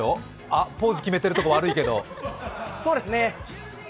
あ、ポーズ決めてるとこ悪いけど。